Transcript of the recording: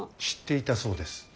知っていたそうです。